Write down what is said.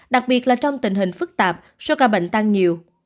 đặc biệt là trong tình hình phức tạp số ca bệnh tăng nhiều